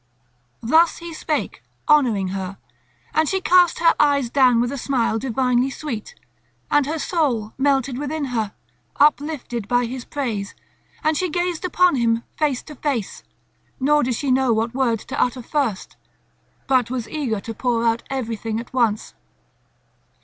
Thus he spake, honouring her; and she cast her eyes down with a smile divinely sweet; and her soul melted within her, uplifted by his praise, and she gazed upon him face to face; nor did she know what word to utter first, but was eager to pour out everything at once.